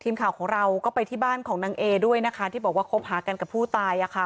ทีมข่าวของเราก็ไปที่บ้านของนางเอด้วยนะคะที่บอกว่าคบหากันกับผู้ตาย